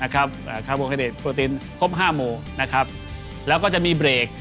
คาร์โบไฮเบรตโปรตีนครบ๕โมงแล้วก็จะมีเบรก